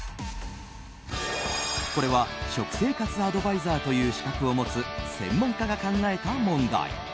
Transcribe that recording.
これは食生活アドバイザーという資格を持つ専門家が考えた問題。